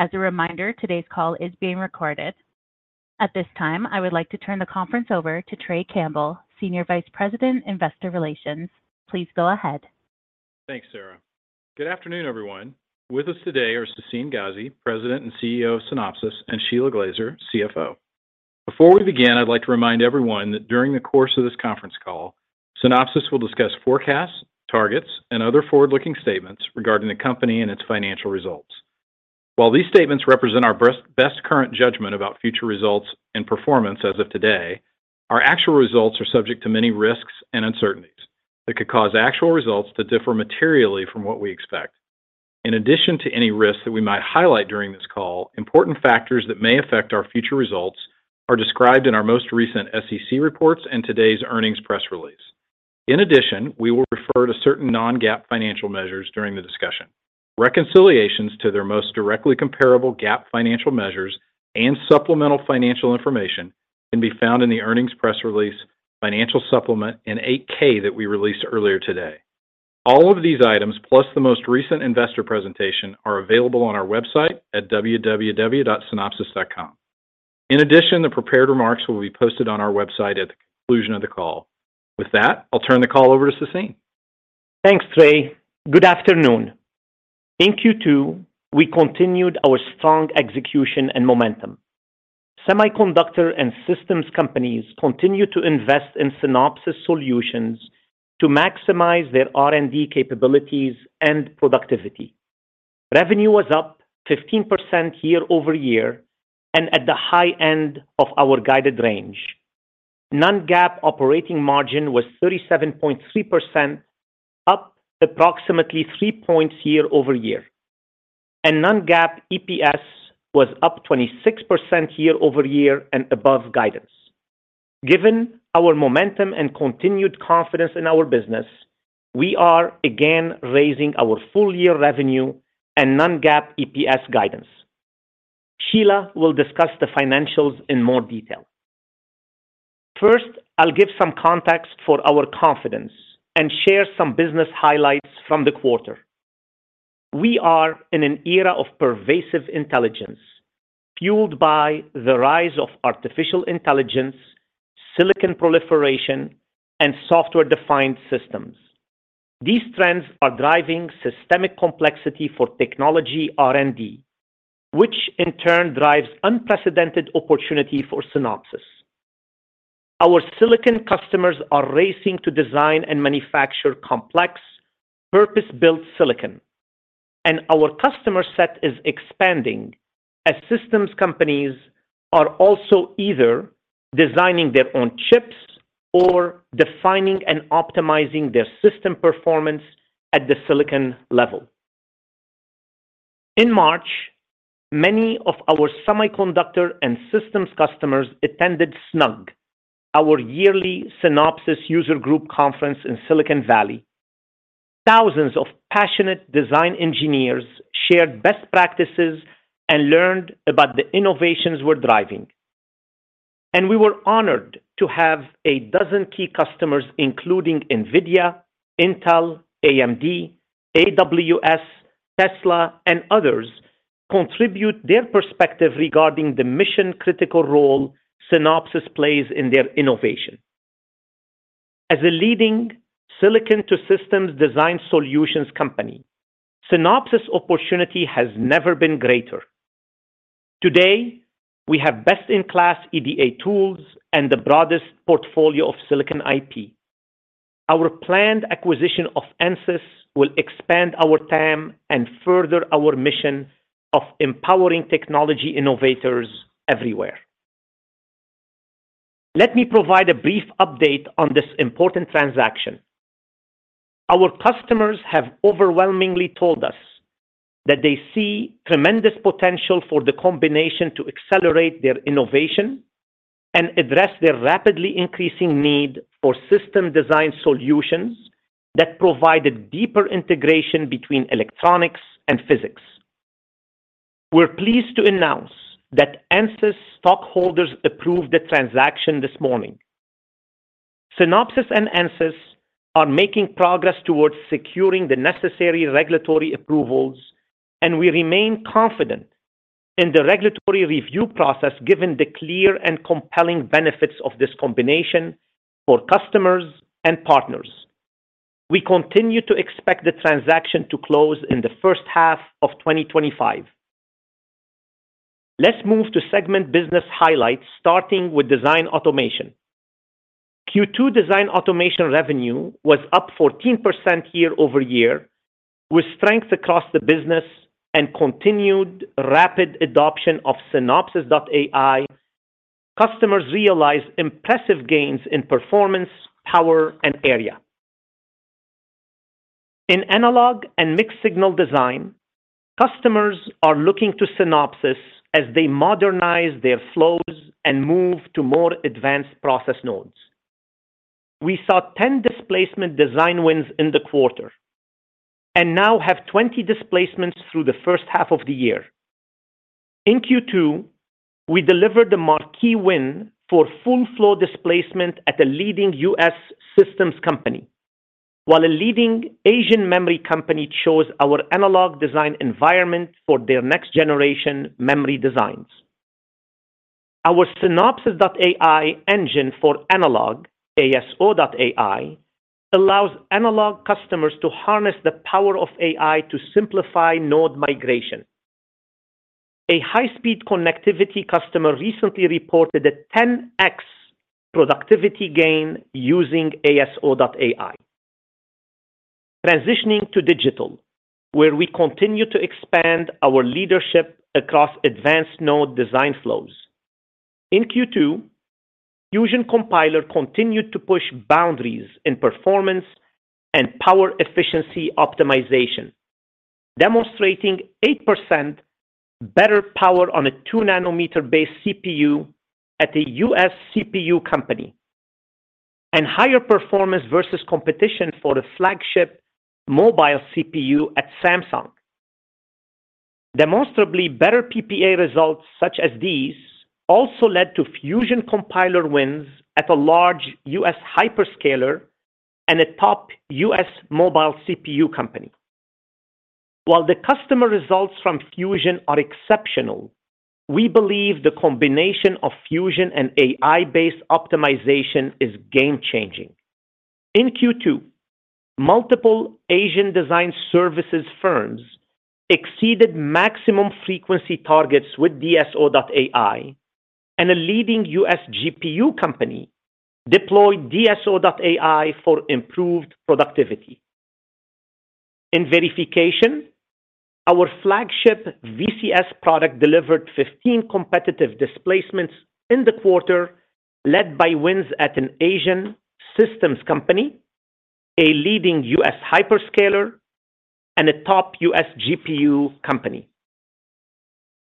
As a reminder, today's call is being recorded. At this time, I would like to turn the conference over to Trey Campbell, Senior Vice President, Investor Relations. Please go ahead. Thanks, Sarah. Good afternoon, everyone. With us today are Sassine Ghazi, President and CEO of Synopsys, and Shelagh Glaser, CFO. Before we begin, I'd like to remind everyone that during the course of this conference call, Synopsys will discuss forecasts, targets, and other forward-looking statements regarding the company and its financial results. While these statements represent our best, best current judgment about future results and performance as of today, our actual results are subject to many risks and uncertainties that could cause actual results to differ materially from what we expect. In addition to any risks that we might highlight during this call, important factors that may affect our future results are described in our most recent SEC reports and today's earnings press release. In addition, we will refer to certain non-GAAP financial measures during the discussion. Reconciliations to their most directly comparable GAAP financial measures and supplemental financial information can be found in the earnings press release, financial supplement, and 8-K that we released earlier today. All of these items, plus the most recent investor presentation, are available on our website at www.synopsys.com. In addition, the prepared remarks will be posted on our website at the conclusion of the call. With that, I'll turn the call over to Sassine. Thanks, Trey. Good afternoon. In Q2, we continued our strong execution and momentum. Semiconductor and systems companies continue to invest in Synopsys solutions to maximize their R&D capabilities and productivity. Revenue was up 15% year-over-year and at the high end of our guided range. Non-GAAP operating margin was 37.3%, up approximately 3 points year-over-year, and non-GAAP EPS was up 26% year-over-year and above guidance. Given our momentum and continued confidence in our business, we are again raising our full year revenue and non-GAAP EPS guidance. Shelagh will discuss the financials in more detail. First, I'll give some context for our confidence and share some business highlights from the quarter. We are in an era of pervasive intelligence, fueled by the rise of artificial intelligence, silicon proliferation, and software-defined systems. These trends are driving systemic complexity for technology R&D, which in turn drives unprecedented opportunity for Synopsys. Our silicon customers are racing to design and manufacture complex, purpose-built silicon, and our customer set is expanding as systems companies are also either designing their own chips or defining and optimizing their system performance at the silicon level. In March, many of our semiconductor and systems customers attended SNUG, our yearly Synopsys User Group conference in Silicon Valley. Thousands of passionate design engineers shared best practices and learned about the innovations we're driving. We were honored to have a dozen key customers, including NVIDIA, Intel, AMD, AWS, Tesla, and others, contribute their perspective regarding the mission-critical role Synopsys plays in their innovation. As a leading silicon-to-systems design solutions company, Synopsys' opportunity has never been greater. Today, we have best-in-class EDA tools and the broadest portfolio of silicon IP. Our planned acquisition of Ansys will expand our TAM and further our mission of empowering technology innovators everywhere. Let me provide a brief update on this important transaction. Our customers have overwhelmingly told us that they see tremendous potential for the combination to accelerate their innovation and address their rapidly increasing need for system design solutions that provide a deeper integration between electronics and physics. We're pleased to announce that Ansys stockholders approved the transaction this morning. Synopsys and Ansys are making progress towards securing the necessary regulatory approvals, and we remain confident in the regulatory review process given the clear and compelling benefits of this combination for customers and partners. We continue to expect the transaction to close in the first half of 2025. Let's move to segment business highlights, starting with Design Automation. Q2 Design Automation revenue was up 14% year-over-year, with strength across the business and continued rapid adoption of Synopsys.ai. Customers realized impressive gains in performance, power, and area. In analog and mixed signal design, customers are looking to Synopsys as they modernize their flows and move to more advanced process nodes. We saw 10 displacement design wins in the quarter and now have 20 displacements through the first half of the year. In Q2, we delivered a marquee win for full flow displacement at a leading U.S. systems company. While a leading Asian memory company chose our analog design environment for their next generation memory designs. Our Synopsys.ai engine for analog, ASO.ai, allows analog customers to harness the power of AI to simplify node migration. A high-speed connectivity customer recently reported a 10x productivity gain using ASO.ai. Transitioning to digital, where we continue to expand our leadership across advanced node design flows. In Q2, Fusion Compiler continued to push boundaries in performance and power efficiency optimization, demonstrating 8% better power on a 2-nanometer-based CPU at a U.S. CPU company, and higher performance versus competition for the flagship mobile CPU at Samsung. Demonstrably better PPA results, such as these, also led to Fusion Compiler wins at a large U.S. hyperscaler and a top U.S. mobile CPU company. While the customer results from Fusion are exceptional, we believe the combination of Fusion and AI-based optimization is game-changing. In Q2, multiple Asian design services firms exceeded maximum frequency targets with DSO.ai, and a leading U.S. GPU company deployed DSO.ai for improved productivity. In verification, our flagship VCS product delivered 15 competitive displacements in the quarter, led by wins at an Asian systems company, a leading U.S. hyperscaler, and a top U.S. GPU company.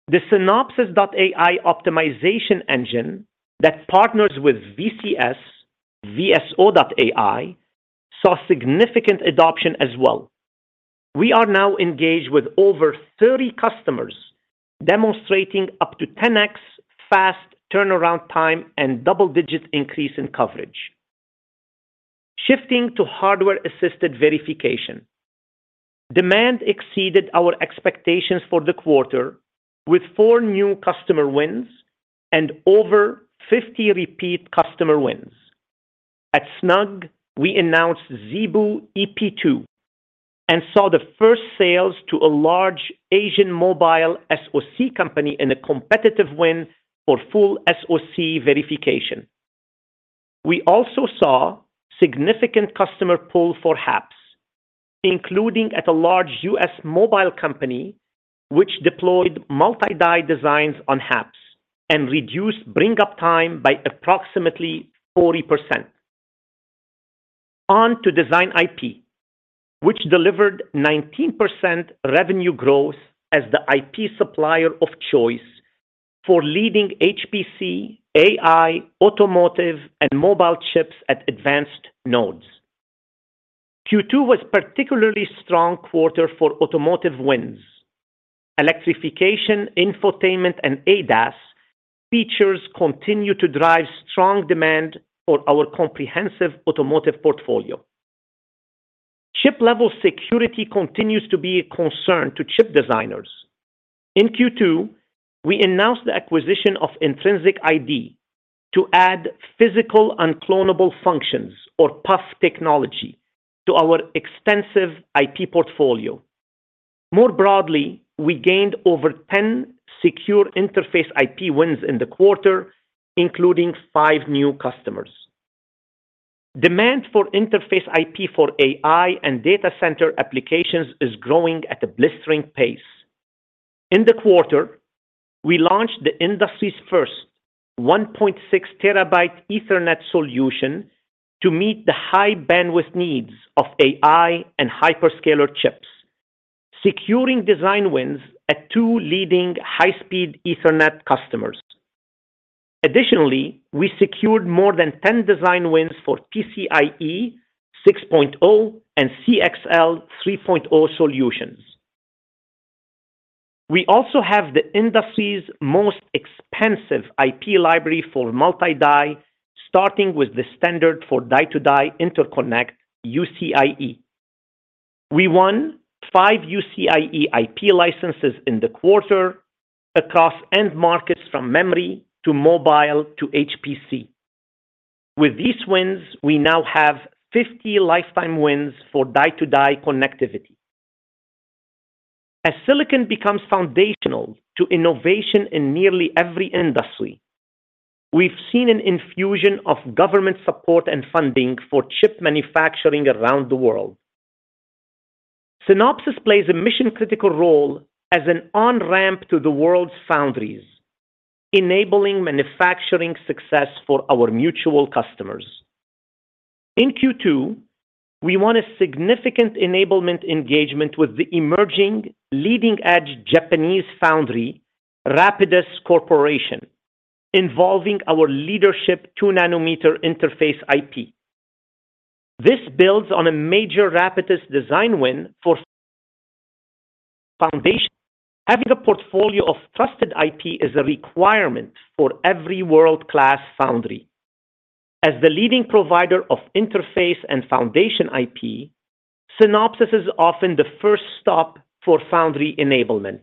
The Synopsys.ai optimization engine that partners with VCS, VSO.ai, saw significant adoption as well. We are now engaged with over 30 customers, demonstrating up to 10x fast turnaround time and double-digit increase in coverage. Shifting to hardware-assisted verification, demand exceeded our expectations for the quarter, with 4 new customer wins and over 50 repeat customer wins. At SNUG, we announced ZeBu EP2 and saw the first sales to a large Asian mobile SoC company in a competitive win for full SoC verification. We also saw significant customer pull for HAPS, including at a large U.S. mobile company, which deployed multi-die designs on HAPS and reduced bring-up time by approximately 40%. On to Design IP, which delivered 19% revenue growth as the IP supplier of choice for leading HPC, AI, automotive, and mobile chips at advanced nodes. Q2 was particularly strong quarter for automotive wins. Electrification, infotainment, and ADAS features continue to drive strong demand for our comprehensive automotive portfolio. Chip-level security continues to be a concern to chip designers. In Q2, we announced the acquisition of Intrinsic ID to add physical unclonable functions, or PUF technology, to our extensive IP portfolio. More broadly, we gained over 10 secure interface IP wins in the quarter, including five new customers. Demand for interface IP for AI and data center applications is growing at a blistering pace. In the quarter, we launched the industry's first 1.6 Terabyte Ethernet solution to meet the high bandwidth needs of AI and hyperscaler chips, securing design wins at two leading high-speed Ethernet customers. Additionally, we secured more than 10 design wins for PCIe 6.0 and CXL 3.0 solutions. We also have the industry's most extensive IP library for multi-die, starting with the standard for die-to-die interconnect, UCIe. We won 5 UCIe IP licenses in the quarter across end markets from memory to mobile to HPC. With these wins, we now have 50 lifetime wins for die-to-die connectivity. As silicon becomes foundational to innovation in nearly every industry, we've seen an infusion of government support and funding for chip manufacturing around the world. Synopsys plays a mission-critical role as an on-ramp to the world's foundries, enabling manufacturing success for our mutual customers. In Q2, we won a significant enablement engagement with the emerging leading-edge Japanese foundry, Rapidus Corporation, involving our leading 2-nanometer interface IP. This builds on a major Rapidus design win for Foundation IP. Having a portfolio of trusted IP is a requirement for every world-class foundry. As the leading provider of interface and foundation IP, Synopsys is often the first stop for foundry enablement.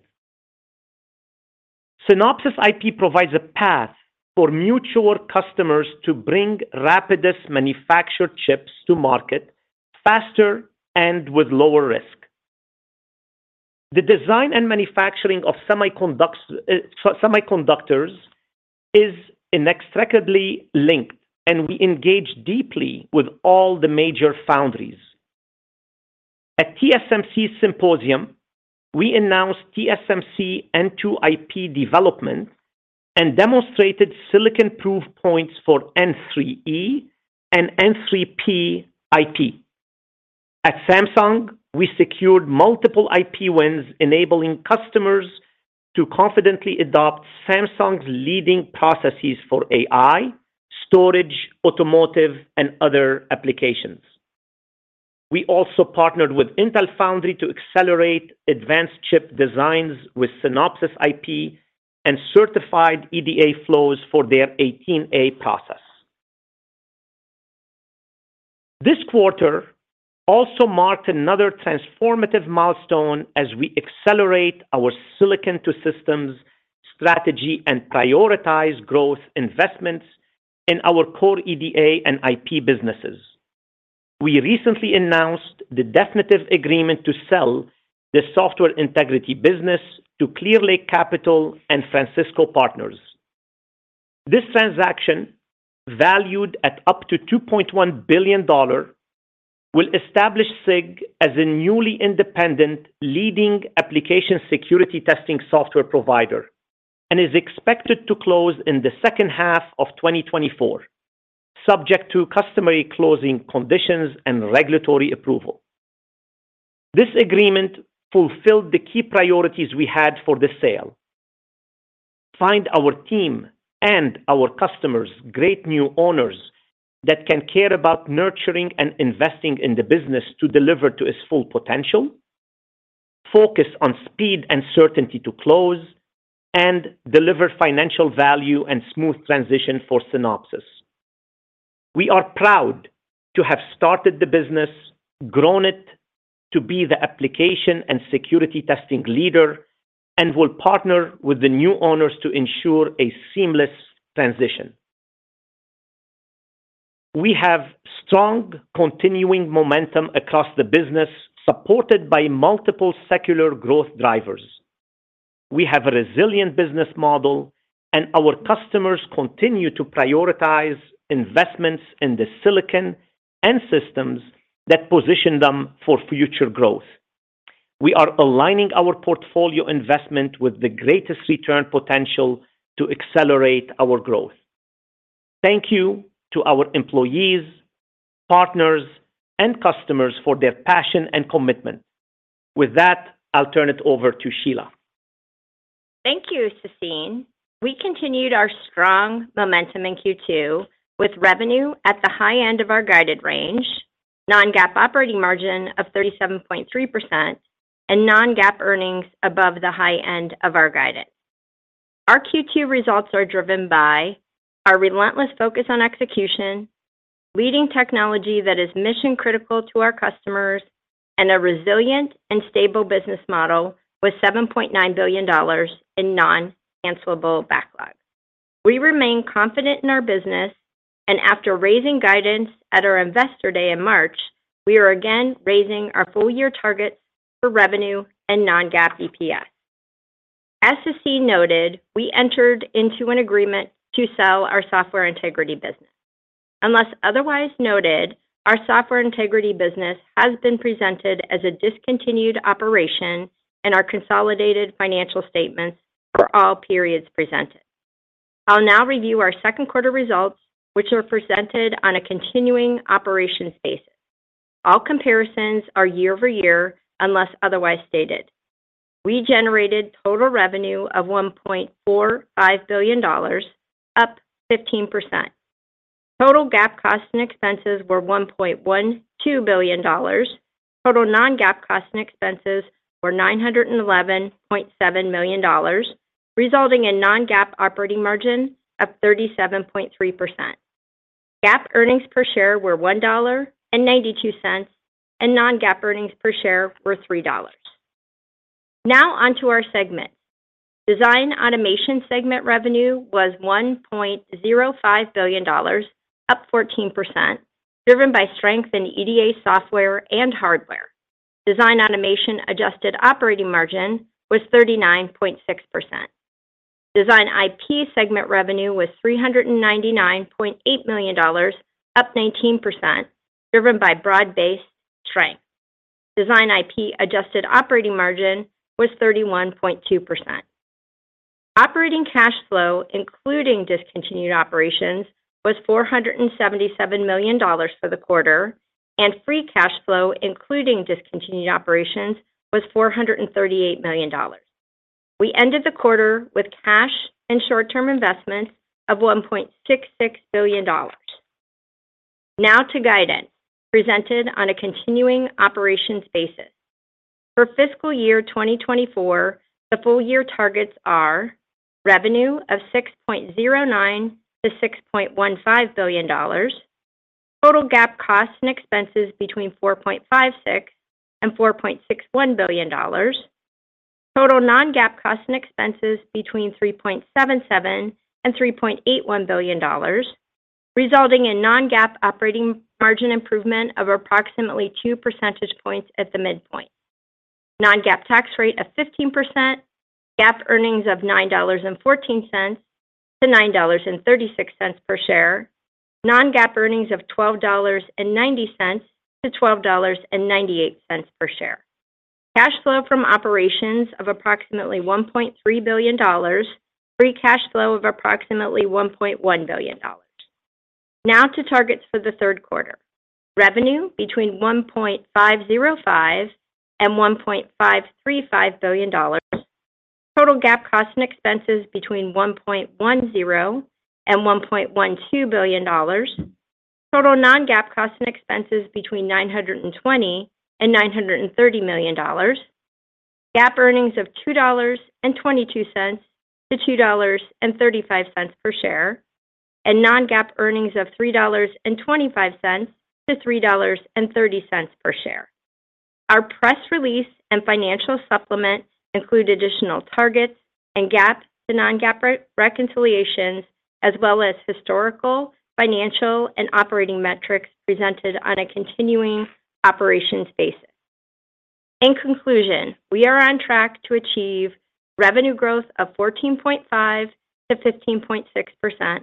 Synopsys IP provides a path for mutual customers to bring Rapidus manufactured chips to market faster and with lower risk. The design and manufacturing of semiconductors is inextricably linked, and we engage deeply with all the major foundries. At TSMC Symposium, we announced TSMC N2 IP development and demonstrated silicon proof points for N3E and N3P IP. At Samsung, we secured multiple IP wins, enabling customers to confidently adopt Samsung's leading processes for AI, storage, automotive, and other applications. We also partnered with Intel Foundry to accelerate advanced chip designs with Synopsys IP and certified EDA flows for their 18A process. This quarter also marked another transformative milestone as we accelerate our Silicon to Systems strategy and prioritize growth investments in our core EDA and IP businesses. We recently announced the definitive agreement to sell the software integrity business to Clearlake Capital and Francisco Partners. This transaction, valued at up to $2.1 billion, will establish SIG as a newly independent leading application security testing software provider, and is expected to close in the second half of 2024, subject to customary closing conditions and regulatory approval. This agreement fulfilled the key priorities we had for the sale: find our team and our customers great new owners that can care about nurturing and investing in the business to deliver to its full potential, focus on speed and certainty to close, and deliver financial value and smooth transition for Synopsys. We are proud to have started the business, grown it to be the application and security testing leader, and will partner with the new owners to ensure a seamless transition. We have strong continuing momentum across the business, supported by multiple secular growth drivers. We have a resilient business model, and our customers continue to prioritize investments in the silicon and systems that position them for future growth. We are aligning our portfolio investment with the greatest return potential to accelerate our growth. Thank you to our employees, partners, and customers for their passion and commitment. With that, I'll turn it over to Shelagh. Thank you, Sassine. We continued our strong momentum in Q2 with revenue at the high end of our guided range, non-GAAP operating margin of 37.3%, and non-GAAP earnings above the high end of our guidance. Our Q2 results are driven by our relentless focus on execution, leading technology that is mission-critical to our customers, and a resilient and stable business model with $7.9 billion in non-cancellable backlog. We remain confident in our business, and after raising guidance at our Investor Day in March, we are again raising our full year targets for revenue and non-GAAP EPS. As Sassine noted, we entered into an agreement to sell our software integrity business. Unless otherwise noted, our software integrity business has been presented as a discontinued operation in our consolidated financial statements for all periods presented. I'll now review our second quarter results, which are presented on a continuing operations basis. All comparisons are year-over-year, unless otherwise stated. We generated total revenue of $1.45 billion, up 15%. Total GAAP costs and expenses were $1.12 billion. Total non-GAAP costs and expenses were $911.7 million, resulting in non-GAAP operating margin of 37.3%. GAAP earnings per share were $1.92, and non-GAAP earnings per share were $3. Now, on to our segment. Design Automation segment revenue was $1.05 billion, up 14%, driven by strength in EDA software and hardware. Design Automation adjusted operating margin was 39.6%. Design IP segment revenue was $399.8 million, up 19%, driven by broad-based strength. Design IP adjusted operating margin was 31.2%. Operating cash flow, including discontinued operations, was $477 million for the quarter, and free cash flow, including discontinued operations, was $438 million. We ended the quarter with cash and short-term investments of $1.66 billion. Now to guidance, presented on a continuing operations basis. For fiscal year 2024, the full-year targets are: revenue of $6.09 billion-$6.15 billion, total GAAP costs and expenses between $4.56 billion and $4.61 billion, total non-GAAP costs and expenses between $3.77 billion and $3.81 billion, resulting in non-GAAP operating margin improvement of approximately 2 percentage points at the midpoint. Non-GAAP tax rate of 15%, GAAP earnings of $9.14-$9.36 per share, non-GAAP earnings of $12.90-$12.98 per share. Cash flow from operations of approximately $1.3 billion, free cash flow of approximately $1.1 billion. Now to targets for the third quarter. Revenue between $1.505 billion and $1.535 billion, total GAAP costs and expenses between $1.10 billion and $1.12 billion, total non-GAAP costs and expenses between $920 million and $930 million, GAAP earnings of $2.22-$2.35 per share, and non-GAAP earnings of $3.25-$3.30 per share. Our press release and financial supplement include additional targets and GAAP to non-GAAP reconciliations, as well as historical, financial, and operating metrics presented on a continuing operations basis. In conclusion, we are on track to achieve revenue growth of 14.5%-15.6%,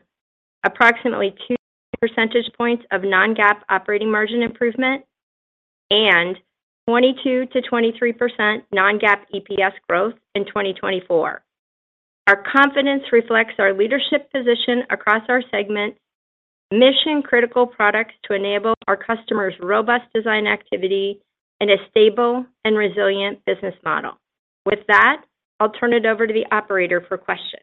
approximately two percentage points of non-GAAP operating margin improvement, and 22%-23% non-GAAP EPS growth in 2024. Our confidence reflects our leadership position across our segments, mission-critical products to enable our customers' robust design activity, and a stable and resilient business model. With that, I'll turn it over to the operator for questions.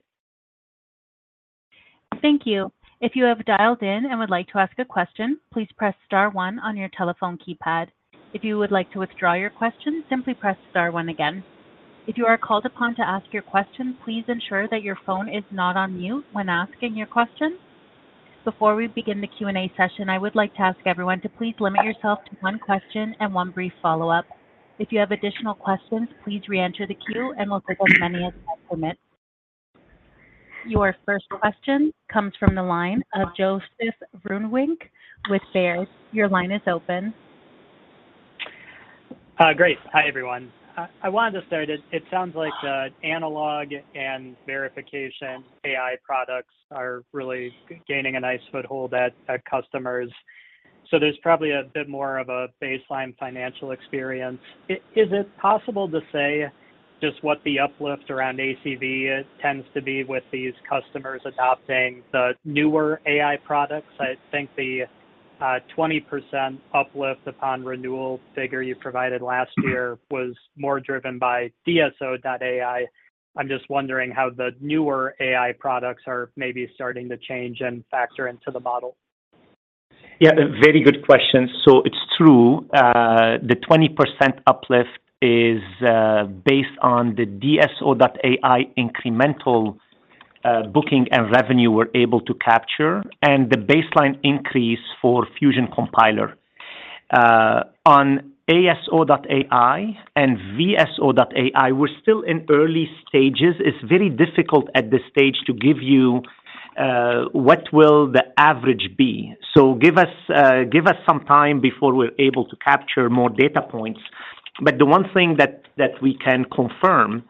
Thank you. If you have dialed in and would like to ask a question, please press star one on your telephone keypad. If you would like to withdraw your question, simply press star one again. If you are called upon to ask your question, please ensure that your phone is not on mute when asking your question. Before we begin the Q&A session, I would like to ask everyone to please limit yourself to one question and one brief follow-up. If you have additional questions, please reenter the queue, and we'll take as many as time permits. Your first question comes from the line of Joe Vruwink with Baird. Your line is open. Great. Hi, everyone. I wanted to start, it sounds like the analog and verification AI products are really gaining a nice foothold at customers. So there's probably a bit more of a baseline financial experience. Is it possible to say just what the uplift around ACV tends to be with these customers adopting the newer AI products? I think the 20% uplift upon renewal figure you provided last year was more driven by DSO.ai. I'm just wondering how the newer AI products are maybe starting to change and factor into the model. Yeah, a very good question. So it's true. The 20% uplift is based on the DSO.ai incremental booking and revenue we're able to capture, and the baseline increase for Fusion Compiler. On ASO.ai and VSO.ai, we're still in early stages. It's very difficult at this stage to give you what will the average be. So give us some time before we're able to capture more data points. But the one thing that we can confirm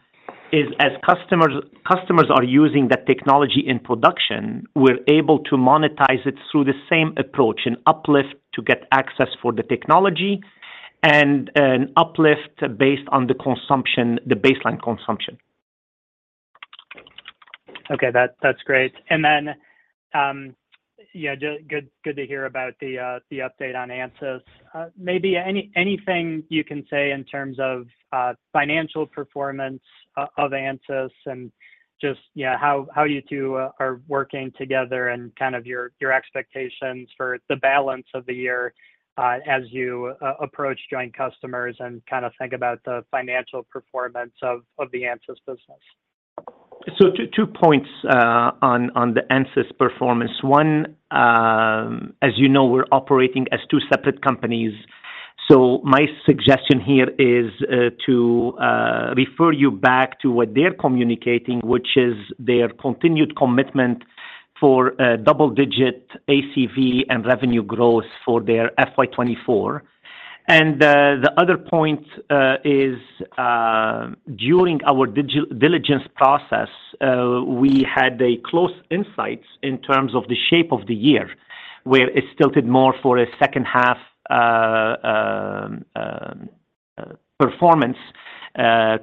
is as customers are using the technology in production, we're able to monetize it through the same approach, an uplift to get access for the technology and an uplift based on the consumption, the baseline consumption. Okay, that, that's great. And then, yeah, good, good to hear about the update on Ansys. Maybe anything you can say in terms of financial performance of Ansys and just, yeah, how you two are working together and kind of your expectations for the balance of the year, as you approach joint customers and kind of think about the financial performance of the Ansys business. So two points on the Ansys performance. One, as you know, we're operating as two separate companies. So my suggestion here is to refer you back to what they're communicating, which is their continued commitment for double-digit ACV and revenue growth for their FY 2024. And the other point is during our diligence process, we had close insights in terms of the shape of the year, where it tilted more for a second half performance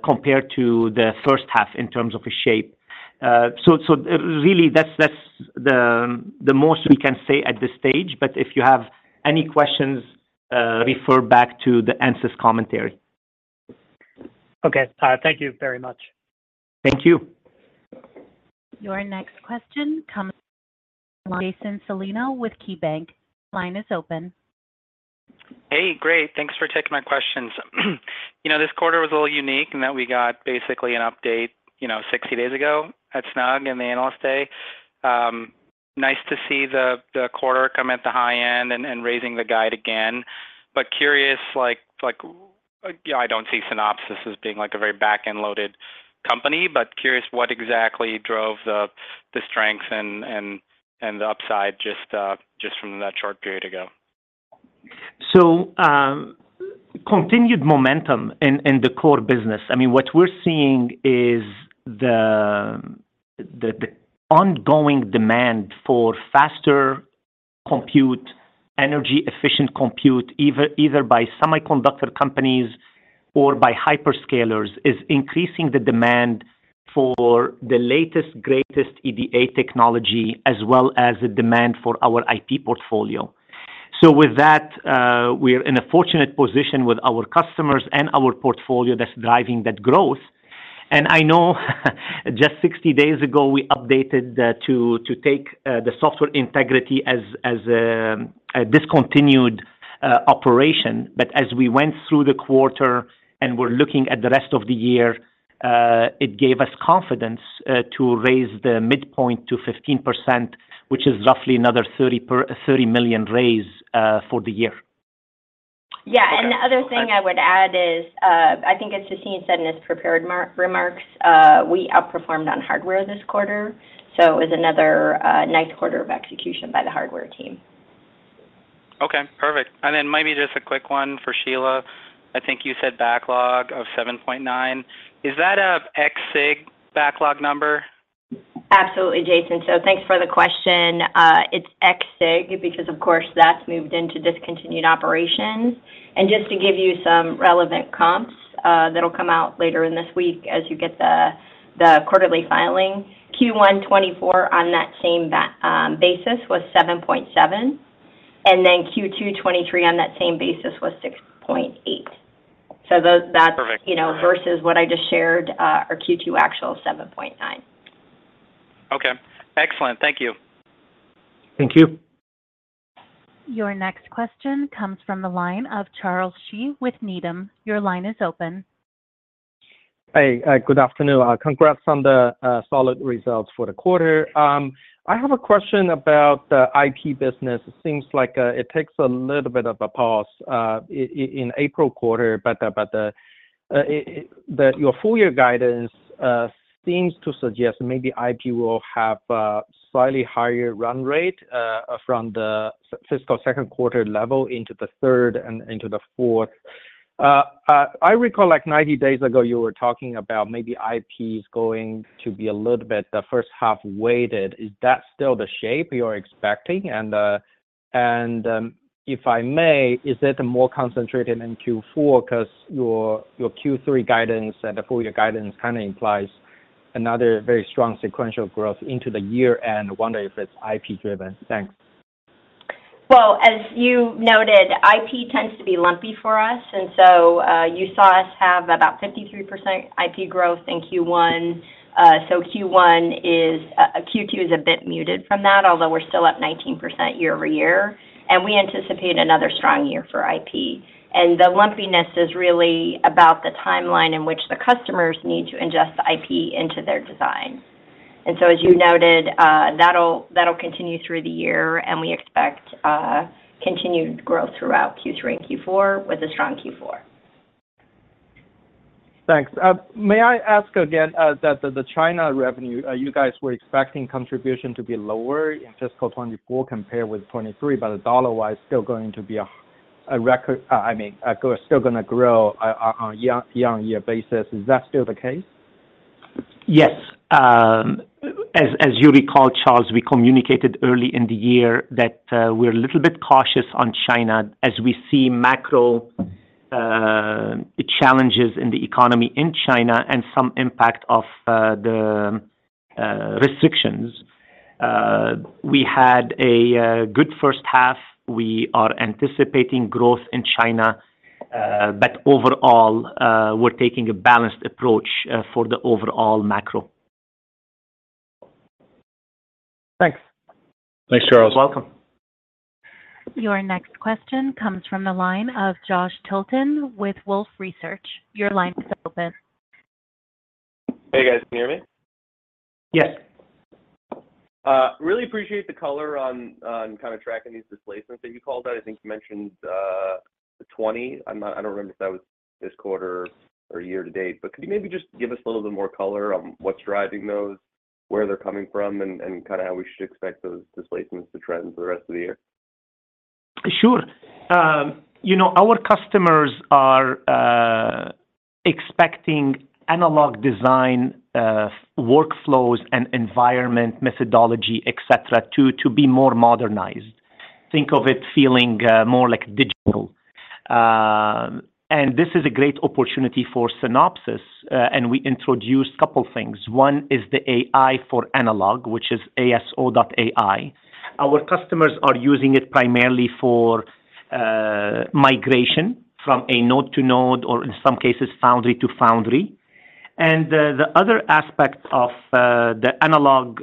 compared to the first half in terms of a shape. So really, that's the most we can say at this stage, but if you have any questions, refer back to the Ansys commentary.... Okay. Thank you very much. Thank you. Your next question comes from Jason Celino with KeyBanc. Line is open. Hey, great. Thanks for taking my questions. You know, this quarter was a little unique in that we got basically an update, you know, 60 days ago at SNUG in the Analyst Day. Nice to see the quarter come at the high end and raising the guide again. But curious, like, I don't see Synopsys as being, like, a very back-end loaded company, but curious what exactly drove the strengths and the upside just from that short period ago? So, continued momentum in the core business. I mean, what we're seeing is the ongoing demand for faster compute, energy-efficient compute, either by semiconductor companies or by hyperscalers, is increasing the demand for the latest, greatest EDA technology, as well as the demand for our IP portfolio. So with that, we're in a fortunate position with our customers and our portfolio that's driving that growth. And I know, just 60 days ago, we updated to take the Software Integrity as a discontinued operation. But as we went through the quarter and we're looking at the rest of the year, it gave us confidence to raise the midpoint to 15%, which is roughly another $30 million raise for the year. Yeah. Okay. The other thing I would add is, I think as Sassine said in his prepared remarks, we outperformed on hardware this quarter, so it was another nice quarter of execution by the hardware team. Okay, perfect. And then maybe just a quick one for Shelagh. I think you said backlog of $7.9. Is that a ex-SIG backlog number? Absolutely, Jason. So thanks for the question. It's ex-SIG, because of course, that's moved into discontinued operations. And just to give you some relevant comps, that'll come out later in this week as you get the, the quarterly filing, Q1 2024 on that same basis was $7.7, and then Q2 2023 on that same basis was $6.8. So those- Perfect. That's, you know, versus what I just shared, our Q2 actual, 7.9. Okay, excellent. Thank you. Thank you. Your next question comes from the line of Charles Shi with Needham. Your line is open. Hey, good afternoon. Congrats on the solid results for the quarter. I have a question about the IP business. It seems like it takes a little bit of a pause in April quarter, but your full year guidance seems to suggest maybe IP will have a slightly higher run rate from the fiscal second quarter level into the third and into the fourth. I recall, like, 90 days ago, you were talking about maybe IP is going to be a little bit the first half weighted. Is that still the shape you're expecting? And, if I may, is it more concentrated in Q4? Because your Q3 guidance and the full year guidance kind of implies another very strong sequential growth into the year and wonder if it's IP driven. Thanks. Well, as you noted, IP tends to be lumpy for us, and so you saw us have about 53% IP growth in Q1. So Q1 is, Q2 is a bit muted from that, although we're still up 19% year-over-year, and we anticipate another strong year for IP. And the lumpiness is really about the timeline in which the customers need to ingest the IP into their design. And so, as you noted, that'll, that'll continue through the year, and we expect continued growth throughout Q3 and Q4, with a strong Q4. Thanks. May I ask again, that the China revenue you guys were expecting contribution to be lower in fiscal 2024 compared with 2023, but the dollar-wise still going to be a record, I mean, still gonna grow on a year-on-year basis. Is that still the case? Yes. As you recall, Charles, we communicated early in the year that we're a little bit cautious on China as we see macro challenges in the economy in China and some impact of the restrictions. We had a good first half. We are anticipating growth in China, but overall, we're taking a balanced approach for the overall macro. Thanks. Thanks, Charles. You're welcome. Your next question comes from the line of Josh Tilton with Wolfe Research. Your line is open. Hey, guys, can you hear me? Yes. Really appreciate the color on kind of tracking these displacements that you called out. I think you mentioned the 20. I'm not—I don't remember if that was this quarter or year to date, but could you maybe just give us a little bit more color on what's driving those, where they're coming from, and kind of how we should expect those displacements to trend for the rest of the year? Sure. You know, our customers are expecting analog design workflows and environment, methodology, et cetera, to be more modernized. Think of it feeling more like digital. And this is a great opportunity for Synopsys, and we introduced a couple of things. One is the AI for analog, which is ASO.ai. Our customers are using it primarily for migration from a node to node, or in some cases, foundry to foundry. And the other aspect of the analog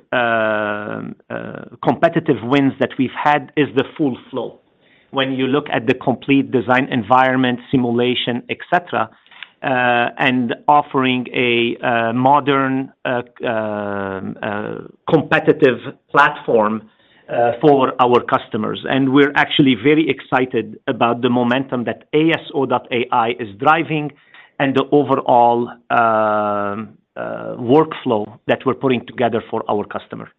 competitive wins that we've had is the full flow. When you look at the complete design environment, simulation, et cetera, and offering a modern competitive platform for our customers. And we're actually very excited about the momentum that ASO.ai is driving and the overall workflow that we're putting together for our customer.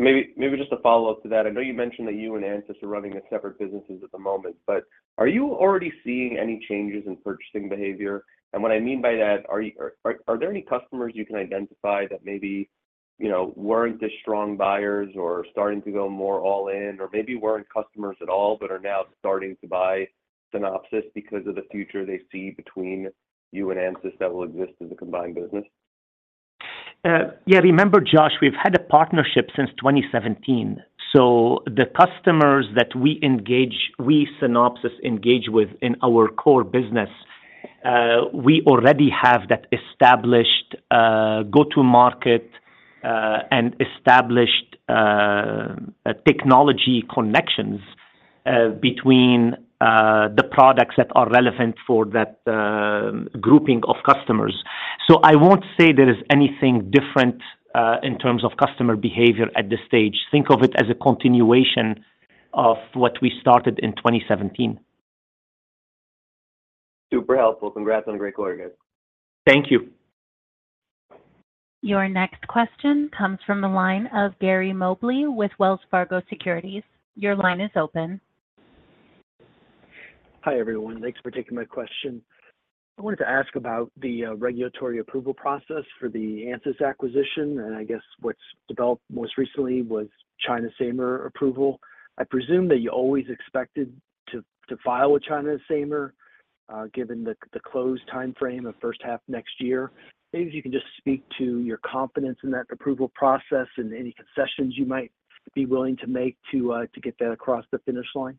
Maybe, maybe just a follow-up to that. I know you mentioned that you and Ansys are running as separate businesses at the moment, but are you already seeing any changes in purchasing behavior? And what I mean by that, are there any customers you can identify that maybe, you know, weren't the strong buyers or starting to go more all in, or maybe weren't customers at all, but are now starting to buy Synopsys because of the future they see between you and Ansys that will exist as a combined business? Yeah, remember, Josh, we've had a partnership since 2017, so the customers that we engage, we, Synopsys, engage with in our core business, we already have that established go-to-market and established technology connections between the products that are relevant for that grouping of customers. So I won't say there is anything different in terms of customer behavior at this stage. Think of it as a continuation of what we started in 2017. Super helpful. Congrats on a great quarter, guys. Thank you. Your next question comes from the line of Gary Mobley with Wells Fargo Securities. Your line is open. Hi, everyone. Thanks for taking my question. I wanted to ask about the regulatory approval process for the Ansys acquisition, and I guess what's developed most recently was China's SAMR approval. I presume that you always expected to file a China SAMR, given the close timeframe of first half next year. Maybe if you can just speak to your confidence in that approval process and any concessions you might be willing to make to get that across the finish line.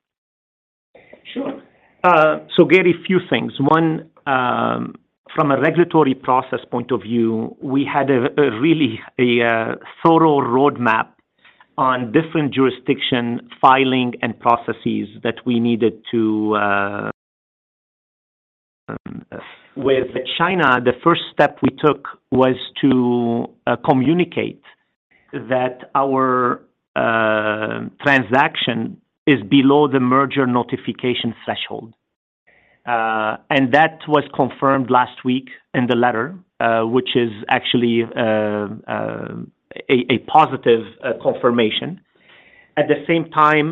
Sure. So Gary, a few things. One, from a regulatory process point of view, we had a really thorough roadmap on different jurisdiction, filing, and processes that we needed to. With China, the first step we took was to communicate that our transaction is below the merger notification threshold. And that was confirmed last week in the letter, which is actually a positive confirmation. At the same time,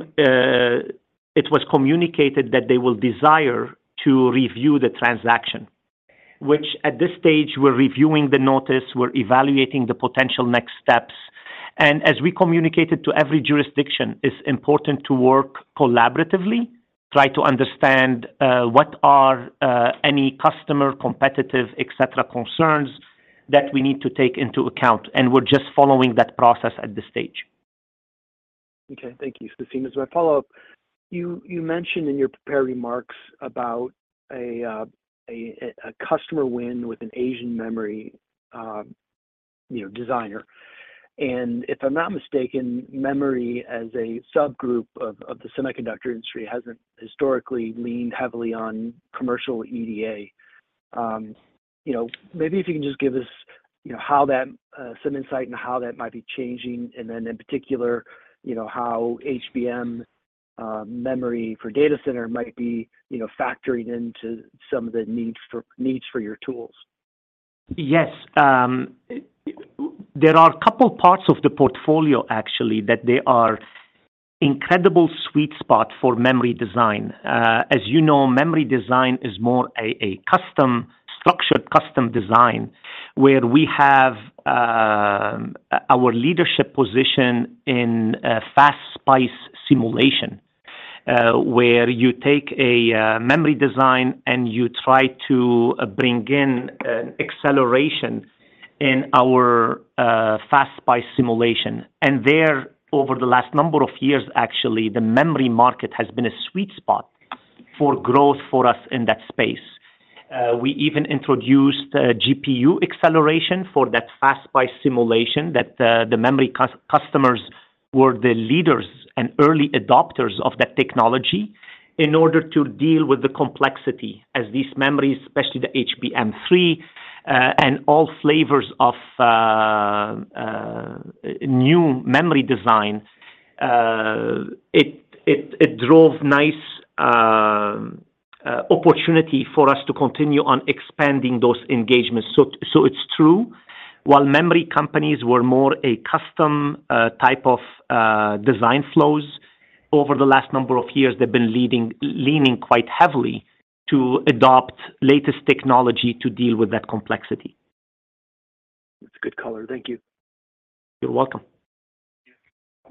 it was communicated that they will desire to review the transaction, which at this stage, we're reviewing the notice, we're evaluating the potential next steps. And as we communicated to every jurisdiction, it's important to work collaboratively, try to understand what are any customer, competitive, et cetera, concerns that we need to take into account, and we're just following that process at this stage. Okay, thank you, Sassine. As my follow-up, you mentioned in your prepared remarks about a customer win with an Asian memory designer. And if I'm not mistaken, memory as a subgroup of the semiconductor industry hasn't historically leaned heavily on commercial EDA. You know, maybe if you can just give us some insight on how that might be changing, and then in particular, you know, how HBM memory for data center might be factoring into some of the needs for your tools. Yes. There are a couple parts of the portfolio actually that they are incredible sweet spot for memory design. As you know, memory design is more a custom, structured custom design, where we have our leadership position in FastSPICE simulation, where you take a memory design and you try to bring in acceleration in our FastSPICE simulation. And there, over the last number of years, actually, the memory market has been a sweet spot for growth for us in that space. We even introduced GPU acceleration for that FastSPICE simulation that the memory customers were the leaders and early adopters of that technology in order to deal with the complexity as these memories, especially the HBM3, and all flavors of new memory design. It drove nice opportunity for us to continue on expanding those engagements. So it's true, while memory companies were more a custom type of design flows, over the last number of years, they've been leaning quite heavily to adopt latest technology to deal with that complexity. That's a good color. Thank you. You're welcome.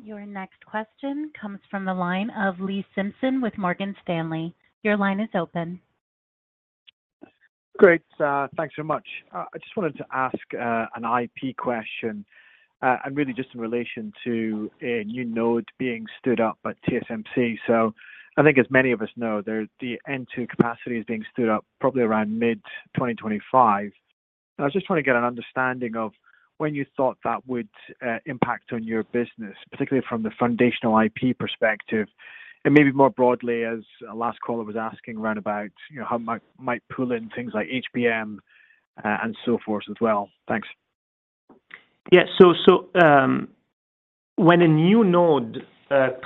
Your next question comes from the line of Lee Simpson with Morgan Stanley. Your line is open. ... Great. Thanks very much. I just wanted to ask, an IP question, and really just in relation to a new node being stood up at TSMC. So I think as many of us know, there, the N2 capacity is being stood up probably around mid-2025. I just want to get an understanding of when you thought that would, impact on your business, particularly from the foundational IP perspective, and maybe more broadly, as the last caller was asking around about, you know, how might, might pull in things like HBM, and so forth as well. Thanks. Yeah. So, when a new node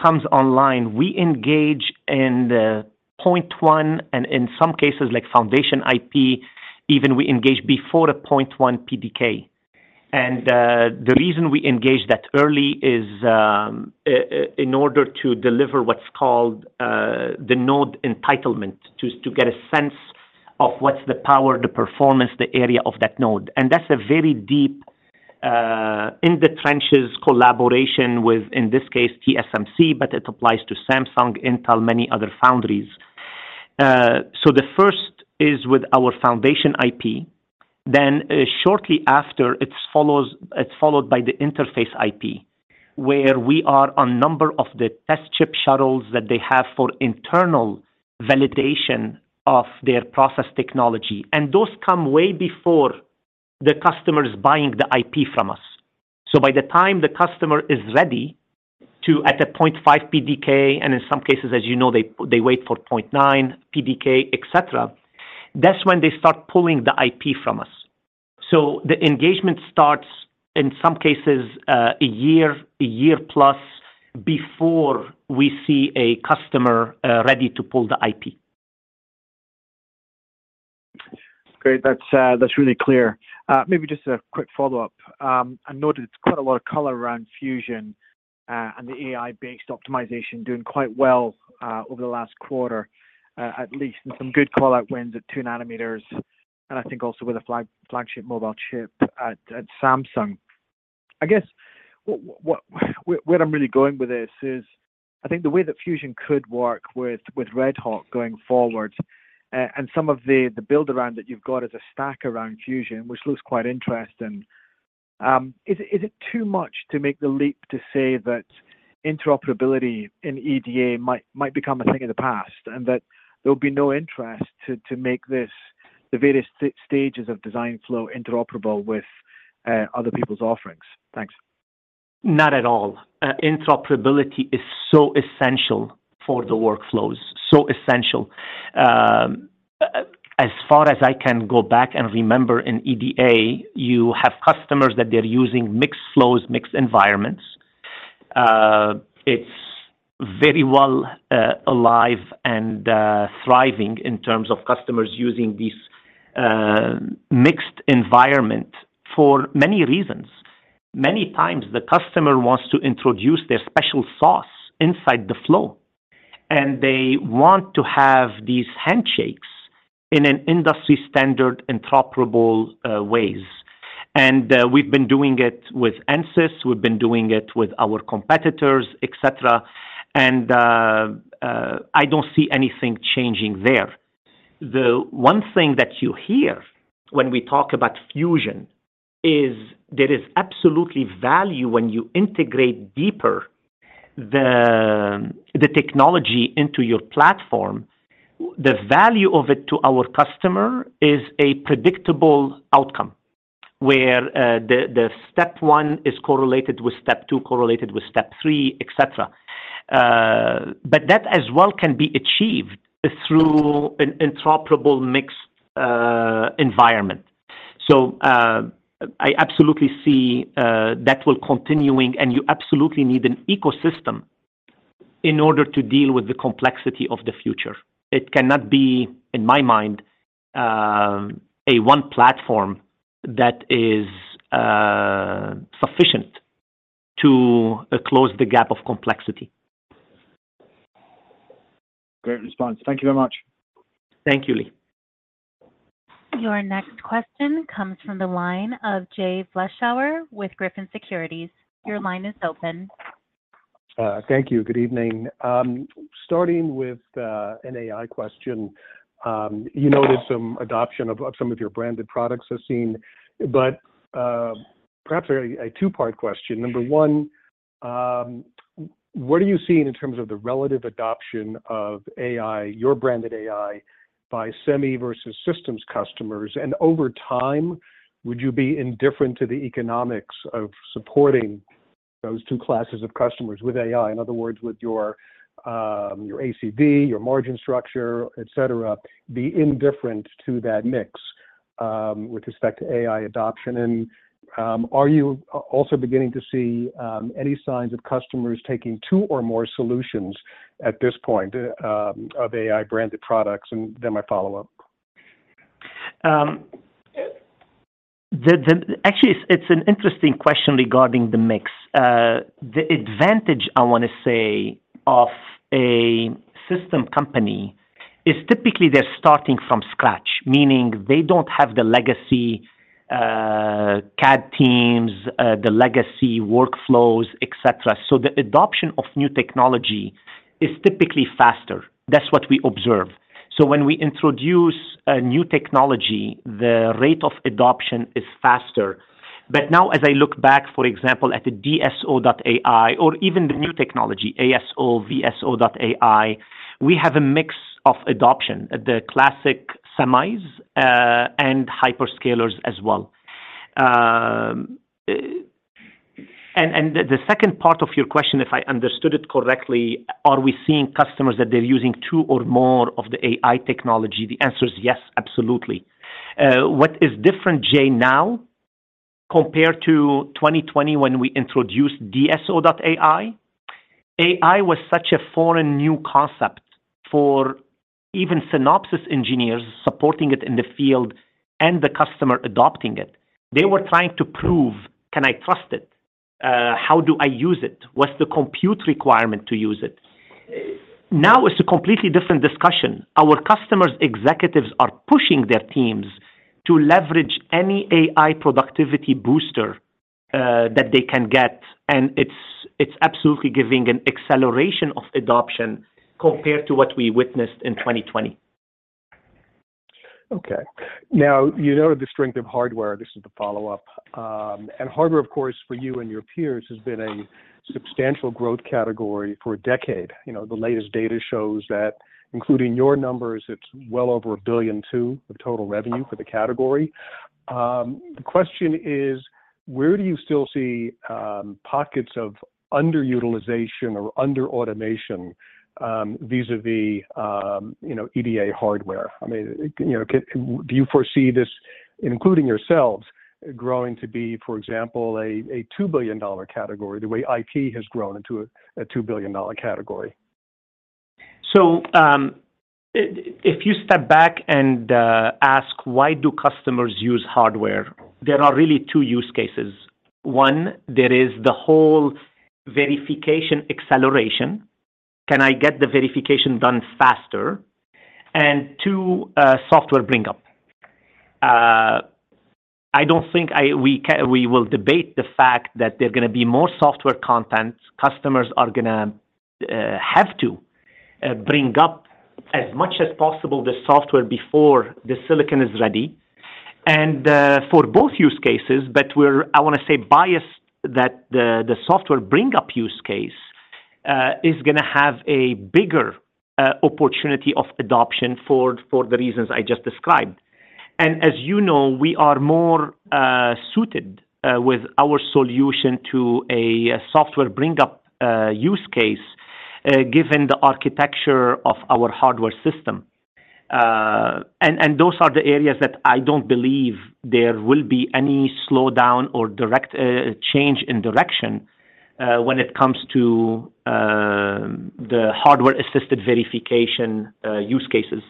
comes online, we engage in the 0.1, and in some cases, like foundation IP, even we engage before the 0.1 PDK. And, the reason we engage that early is, in order to deliver what's called, the node entitlement, to get a sense of what's the power, the performance, the area of that node. And that's a very deep, in the trenches collaboration with, in this case, TSMC, but it applies to Samsung, Intel, many other foundries. So the first is with our foundation IP. Then, shortly after, it's followed by the interface IP, where we are on a number of the test chip shuttles that they have for internal validation of their process technology. And those come way before the customer is buying the IP from us. So by the time the customer is ready to, at a 0.5 PDK, and in some cases, as you know, they wait for 0.9 PDK, et cetera, that's when they start pulling the IP from us. So the engagement starts, in some cases, a year, a year plus before we see a customer ready to pull the IP. Great. That's, that's really clear. Maybe just a quick follow-up. I noted it's quite a lot of color around Fusion, and the AI-based optimization doing quite well, over the last quarter, at least in some good call-out wins at 2 nanometers, and I think also with a flagship mobile chip at Samsung. I guess, what, where I'm really going with this is, I think the way that Fusion could work with RedHawk going forward, and some of the build around that you've got as a stack around Fusion, which looks quite interesting. Is it too much to make the leap to say that interoperability in EDA might become a thing of the past, and that there will be no interest to make the various stages of design flow interoperable with other people's offerings? Thanks. Not at all. Interoperability is so essential for the workflows, so essential. As far as I can go back and remember in EDA, you have customers that they're using mixed flows, mixed environments. It's very well alive and thriving in terms of customers using this mixed environment for many reasons. Many times, the customer wants to introduce their special sauce inside the flow, and they want to have these handshakes in an industry-standard, interoperable ways. And we've been doing it with Ansys, we've been doing it with our competitors, et cetera, and I don't see anything changing there. The one thing that you hear when we talk about fusion is there is absolutely value when you integrate deeper the, the technology into your platform. The value of it to our customer is a predictable outcome, where the step one is correlated with step two, correlated with step three, et cetera. But that as well can be achieved through an interoperable mixed environment. So, I absolutely see that will continuing, and you absolutely need an ecosystem in order to deal with the complexity of the future. It cannot be, in my mind, a one platform that is sufficient to close the gap of complexity. Great response. Thank you very much. Thank you, Lee. Your next question comes from the line of Jay Vleeschhouwer with Griffin Securities. Your line is open. Thank you. Good evening. Starting with an AI question, you noted some adoption of some of your branded products I've seen, but perhaps a two-part question. Number one, what are you seeing in terms of the relative adoption of AI, your branded AI, by semi versus systems customers? And over time, would you be indifferent to the economics of supporting those two classes of customers with AI? In other words, would your ACV, your margin structure, et cetera, be indifferent to that mix with respect to AI adoption? And, are you also beginning to see any signs of customers taking two or more solutions at this point of AI-branded products? And then my follow-up. Actually, it's an interesting question regarding the mix. The advantage I wanna say, of a system company is typically they're starting from scratch, meaning they don't have the legacy CAD teams, the legacy workflows, etc. So the adoption of new technology is typically faster. That's what we observe. So when we introduce a new technology, the rate of adoption is faster. But now, as I look back, for example, at the DSO.ai or even the new technology, ASO.ai, VSO.ai, we have a mix of adoption, the classic semis, and hyperscalers as well. And the second part of your question, if I understood it correctly, are we seeing customers that they're using two or more of the AI technology? The answer is yes, absolutely. What is different, Jay, now compared to 2020 when we introduced DSO.ai? AI was such a foreign new concept for even Synopsys engineers supporting it in the field and the customer adopting it. They were trying to prove, can I trust it? How do I use it? What's the compute requirement to use it? Now it's a completely different discussion. Our customers' executives are pushing their teams to leverage any AI productivity booster that they can get, and it's absolutely giving an acceleration of adoption compared to what we witnessed in 2020. Okay. Now, you know the strength of hardware, this is the follow-up. And hardware, of course, for you and your peers, has been a substantial growth category for a decade. You know, the latest data shows that including your numbers, it's well over $1.2 billion of total revenue for the category. The question is, where do you still see pockets of underutilization or under automation vis-a-vis you know, EDA hardware? I mean, you know, do you foresee this, including yourselves, growing to be, for example, a $2 billion category, the way IT has grown into a $2 billion category? So, if you step back and ask why do customers use hardware? There are really two use cases. One, there is the whole verification acceleration. Can I get the verification done faster? And two, software bring up. I don't think we will debate the fact that there are gonna be more software content. Customers are gonna have to bring up as much as possible the software before the silicon is ready. And for both use cases, but we're, I wanna say, biased, that the software bring up use case is gonna have a bigger opportunity of adoption for the reasons I just described. And as you know, we are more suited with our solution to a software bring up use case given the architecture of our hardware system. And, and those are the areas that I don't believe there will be any slowdown or direct change in direction when it comes to the hardware-assisted verification use cases.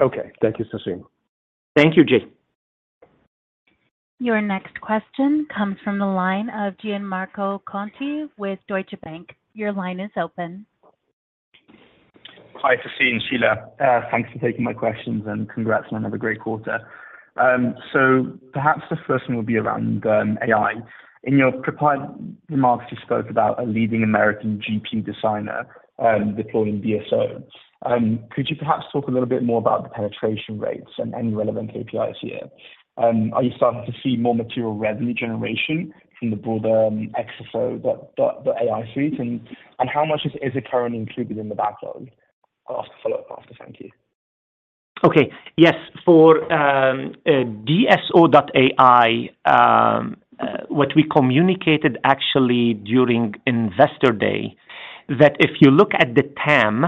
Okay. Thank you, Sassine. Thank you, Jane. Your next question comes from the line of Gianmarco Conti with Deutsche Bank. Your line is open. Hi, Sassine, Sheila. Thanks for taking my questions, and congrats on another great quarter. So perhaps the first one will be around AI. In your prepared remarks, you spoke about a leading American GP designer deploying DSO. Could you perhaps talk a little bit more about the penetration rates and any relevant KPIs here? Are you starting to see more material revenue generation from the broader Synopsys.ai, the AI suite, and how much is it currently included in the backlog? I'll ask a follow-up after. Thank you. Okay. Yes, for DSO.ai, what we communicated actually during Investor Day, that if you look at the TAM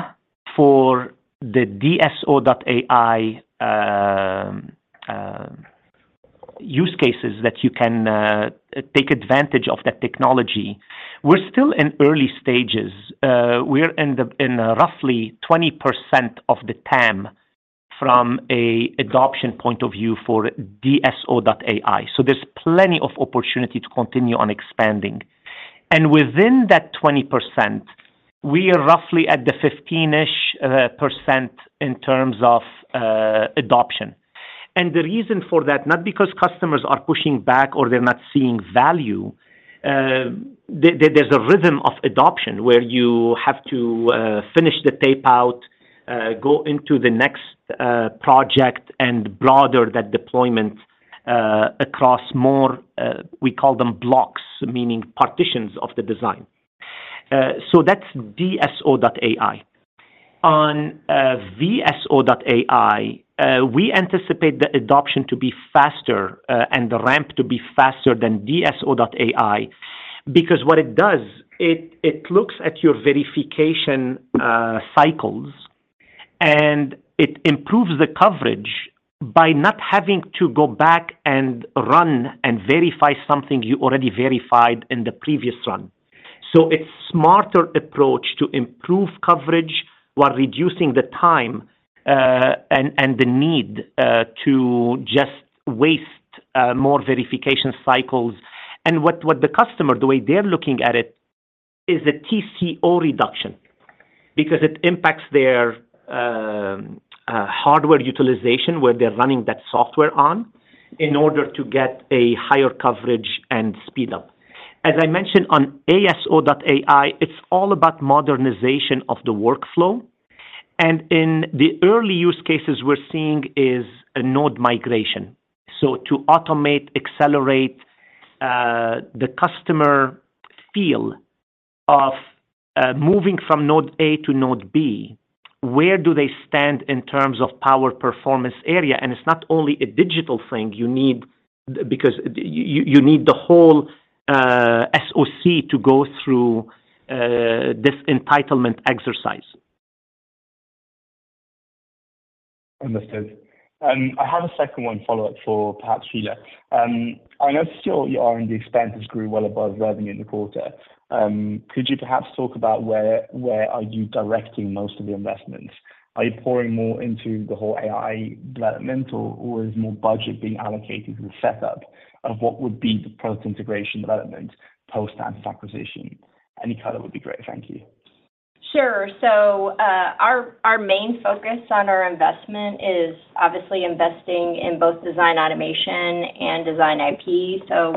for the DSO.ai use cases that you can take advantage of that technology, we're still in early stages. We're in roughly 20% of the TAM from an adoption point of view for DSO.ai. So there's plenty of opportunity to continue on expanding. And within that 20%, we are roughly at the 15-ish% in terms of adoption. And the reason for that, not because customers are pushing back or they're not seeing value, there, there's a rhythm of adoption where you have to finish the tape out, go into the next project and broader that deployment across more, we call them blocks, meaning partitions of the design. So that's DSO.ai. On VSO.ai, we anticipate the adoption to be faster, and the ramp to be faster than DSO.ai, because what it does, it looks at your verification cycles, and it improves the coverage by not having to go back and run and verify something you already verified in the previous run. So it's smarter approach to improve coverage while reducing the time, and the need to just waste more verification cycles. And what the customer, the way they're looking at it, is the TCO reduction... because it impacts their hardware utilization, where they're running that software on, in order to get a higher coverage and speed up. As I mentioned on ASO.ai, it's all about modernization of the workflow, and in the early use cases we're seeing is a node migration. So to automate, accelerate, the customer feel of, moving from node A to node B, where do they stand in terms of power performance area? And it's not only a digital thing you need, because you need the whole SoC to go through this entitlement exercise. Understood. I have a second one follow-up for perhaps Shelagh. I know still your R&D expenses grew well above revenue in the quarter. Could you perhaps talk about where, where are you directing most of your investments? Are you pouring more into the whole AI development, or is more budget being allocated to the setup of what would be the product integration development post-Ansys acquisition? Any color would be great. Thank you. Sure. So, our main focus on our investment is obviously investing in both Design Automation and design IP. So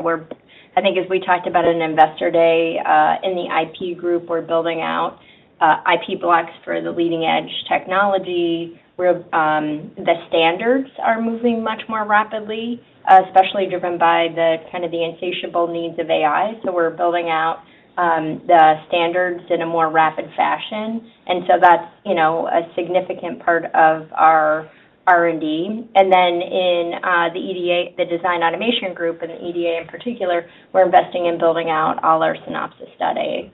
we're—I think as we talked about in Investor Day, in the IP group, we're building out, IP blocks for the leading-edge technology, where, the standards are moving much more rapidly, especially driven by the kind of the insatiable needs of AI. So we're building out, the standards in a more rapid fashion, and so that's, you know, a significant part of our R&D. And then in, the EDA, the Design Automation group, and the EDA in particular, we're investing in building out all our Synopsys.ai,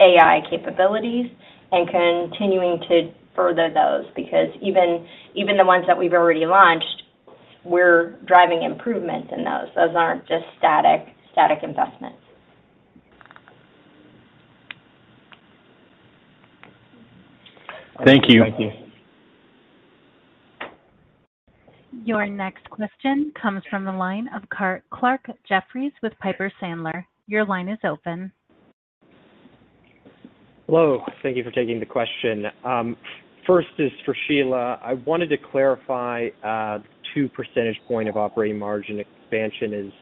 AI capabilities and continuing to further those. Because even the ones that we've already launched, we're driving improvements in those. Those aren't just static investments. Thank you. Thank you. Your next question comes from the line of Clarke Jeffries with Piper Sandler. Your line is open. Hello. Thank you for taking the question. First is for Shelagh. I wanted to clarify, two percentage point of operating margin expansion is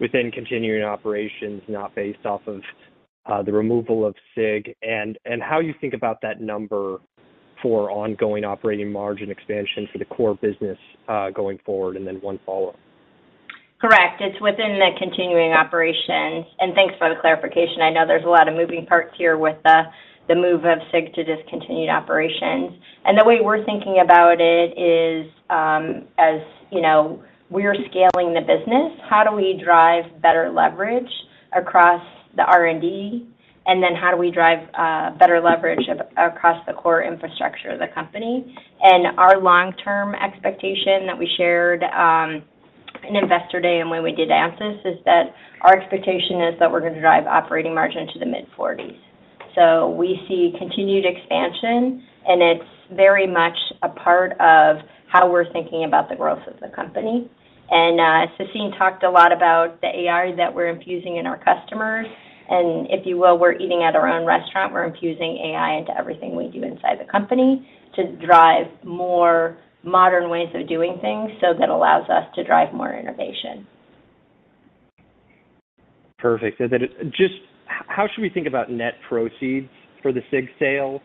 within continuing operations, not based off of, the removal of SIG, and how you think about that number for ongoing operating margin expansion for the core business, going forward, and then one follow-up. Correct. It's within the continuing operations, and thanks for the clarification. I know there's a lot of moving parts here with the move of SIG to discontinued operations. And the way we're thinking about it is, as you know, we are scaling the business, how do we drive better leverage across the R&D? And then how do we drive better leverage across the core infrastructure of the company? And our long-term expectation that we shared in Investor Day and when we did Ansys is that our expectation is that we're going to drive operating margin to the mid-40s%. So we see continued expansion, and it's very much a part of how we're thinking about the growth of the company. And Sassine talked a lot about the AI that we're infusing in our customers, and if you will, we're eating at our own restaurant. We're infusing AI into everything we do inside the company to drive more modern ways of doing things, so that allows us to drive more innovation. Perfect. So then just how should we think about net proceeds for the SIG sale?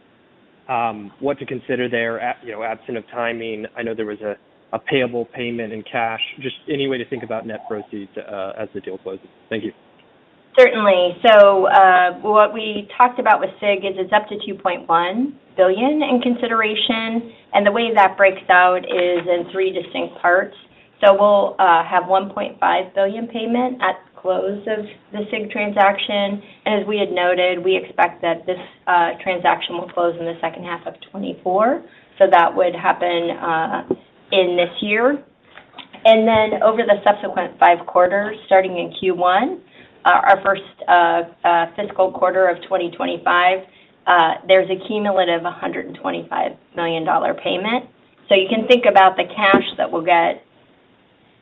What to consider there, you know, absent of timing, I know there was a payable payment in cash. Just any way to think about net proceeds, as the deal closes. Thank you. Certainly. So, what we talked about with SIG is it's up to $2.1 billion in consideration, and the way that breaks out is in three distinct parts. So we'll, have $1.5 billion payment at close of the SIG transaction, and as we had noted, we expect that this, transaction will close in the second half of 2024. So that would happen, in this year. And then over the subsequent 5 quarters, starting in Q1, our first, fiscal quarter of 2025, there's a cumulative $125 million payment. So you can think about the cash that we'll get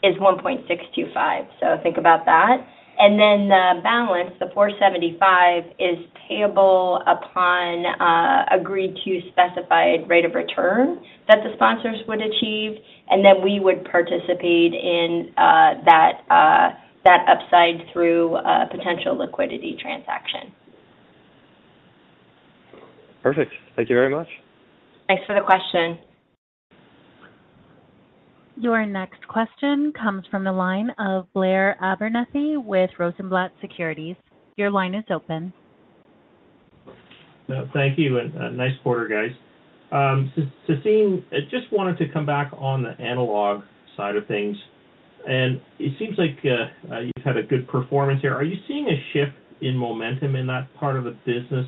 is $1.625 billion. So think about that. Then the balance, the $475, is payable upon agreed to specified rate of return that the sponsors would achieve, and then we would participate in that upside through a potential liquidity transaction. Perfect. Thank you very much. Thanks for the question. Your next question comes from the line of Blair Abernethy with Rosenblatt Securities. Your line is open. Thank you, and nice quarter, guys. Sassine, I just wanted to come back on the analog side of things, and it seems like you've had a good performance here. Are you seeing a shift in momentum in that part of the business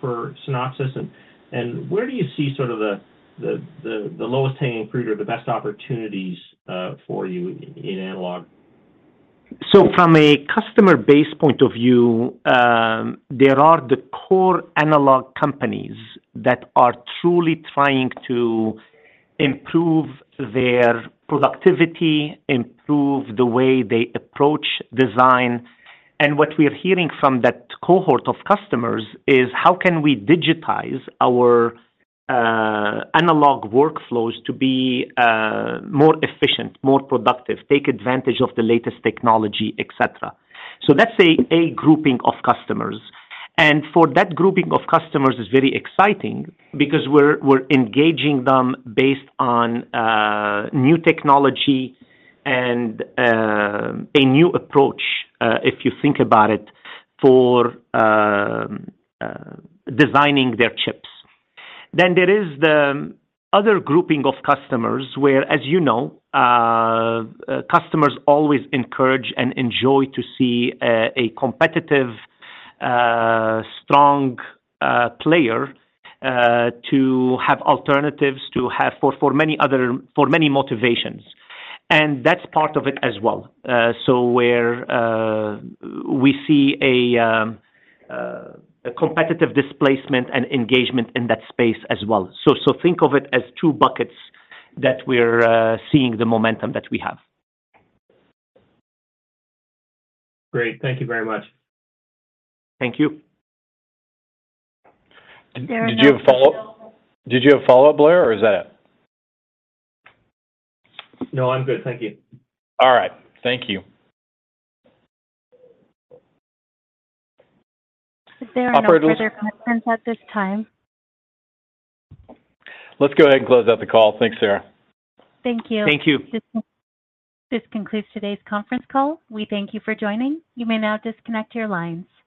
for Synopsys? And where do you see sort of the lowest hanging fruit or the best opportunities for you in analog? So from a customer base point of view, there are the core analog companies that are truly trying to improve their productivity, improve the way they approach design. And what we are hearing from that cohort of customers is: How can we digitize our analog workflows to be more efficient, more productive, take advantage of the latest technology, et cetera? So that's a grouping of customers, and for that grouping of customers, it's very exciting because we're engaging them based on new technology and a new approach, if you think about it, for designing their chips. Then there is the other grouping of customers where, as you know, customers always encourage and enjoy to see a competitive strong player to have alternatives, to have for, for many other, for many motivations, and that's part of it as well. So where we see a competitive displacement and engagement in that space as well. So think of it as two buckets that we're seeing the momentum that we have. Great. Thank you very much. Thank you. There are no further- Did you have a follow-up? Did you have a follow-up, Blair, or is that it? No, I'm good. Thank you. All right. Thank you. There are no further questions at this time. Let's go ahead and close out the call. Thanks, Sarah. Thank you. Thank you. This concludes today's conference call. We thank you for joining. You may now disconnect your lines.